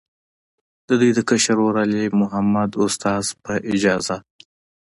د دوي د کشر ورور، علي محمد استاذ، پۀ اجازت